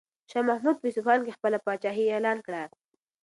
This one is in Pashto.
شاه محمود په اصفهان کې خپله پاچاهي اعلان کړه.